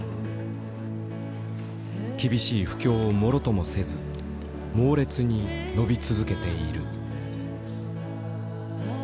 厳しい不況をもろともせず猛烈に伸び続けている。